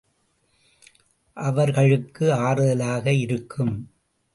அவர் களுக்கு ஆறுதலாக இருக்கும்.